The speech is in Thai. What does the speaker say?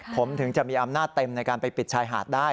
ผมถึงจะมีอำนาจเต็มในการไปปิดชายหาดได้